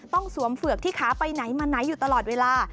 สวมเฝือกที่ขาไปไหนมาไหนอยู่ตลอดเวลา